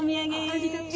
ありがとう。